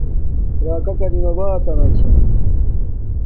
راکہ کریم آباتنا چھا